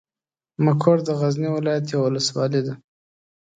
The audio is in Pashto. مقر د غزني ولايت یوه ولسوالۍ ده.